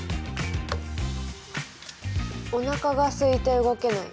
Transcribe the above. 「お腹が空いて動けない。